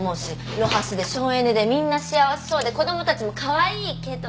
ロハスで省エネでみんな幸せそうで子供たちもカワイイけど。